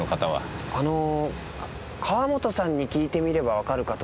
あのー川本さんに聞いてみればわかるかと。